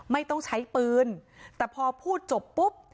ไม่ต้องใช้ปืนแต่พอพูดจบปุ๊บ